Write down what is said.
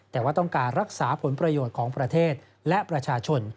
แต่ว่าต้องการรักษาผลประโยชน์ของประเทศและประชาชน